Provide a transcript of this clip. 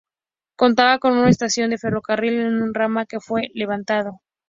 Contaba con una estación de ferrocarril en un ramal que fue levantado.